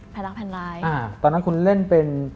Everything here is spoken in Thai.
รักแผ่นร้ายอ่าตอนนั้นคุณเล่นเป็น